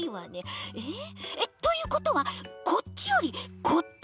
えっということはこっちよりこっち？